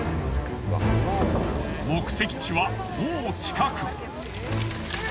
目的地はもう近く。